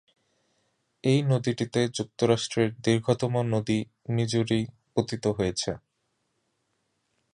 এই নদীটিতে যুক্তরাষ্ট্রের দীর্ঘতম নদী মিজুরি পতিত হয়েছে।